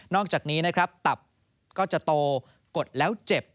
อกจากนี้นะครับตับก็จะโตกดแล้วเจ็บ